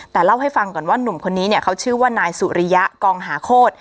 แต่เล่าให้ฟังก่อนว่าหนุ่มคนนี้เนี่ยเขาชื่อว่านายสุริยะกองหาโคตร